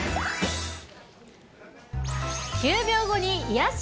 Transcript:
９秒後に癒やし！